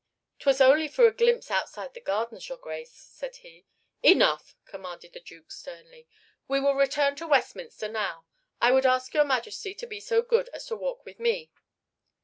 "'Twas only for a glimpse outside the gardens, your Grace," said he. "Enough!" commanded the Duke sternly. "We will return to Westminster now. I would ask your Majesty to be so good as to walk with me."